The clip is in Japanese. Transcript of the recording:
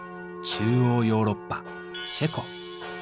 中欧ヨーロッパチェコ。